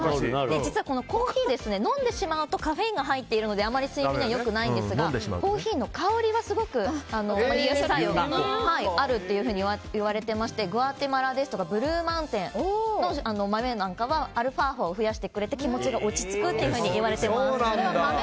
実はこのコーヒー飲んでしまうとカフェインが入っているのであんまり睡眠には良くないんですがコーヒーの香りがすごく睡眠作用があるといわれていましていわれていまして、グアテマラやブルーマウンテンの豆なんかはアルファ波を増やしてくれて気持ちを落ち着けてくれるといいます。